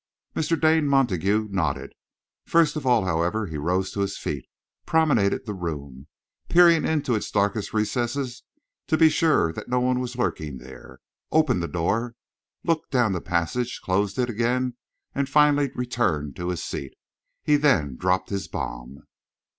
Mr. Dane Montague nodded. First of all, however, he rose to his feet, promenaded the room, peering into its darker recesses to be sure that no one was lurking there, opened the door, looked down the passage, closed it again, and finally returned to his seat. He then dropped his bomb.